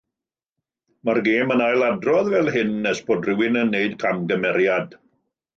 Mae'r gêm yn ailadrodd fel hyn nes bod rhywun yn gwneud camgymeriad.